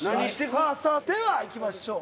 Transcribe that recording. さあさあではいきましょう。